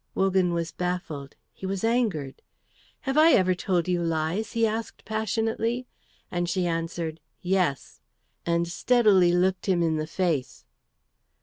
Wogan was baffled; he was angered. "Have I ever told you lies?" he asked passionately, and she answered, "Yes," and steadily looked him in the face.